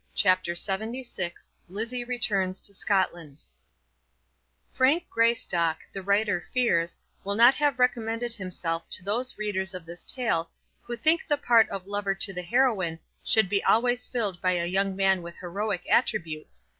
CHAPTER LXXVI Lizzie Returns to Scotland Frank Greystock, the writer fears, will not have recommended himself to those readers of this tale who think the part of lover to the heroine should be always filled by a young man with heroic attributes.